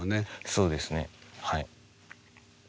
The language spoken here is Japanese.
そうですねはい。